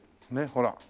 ほら。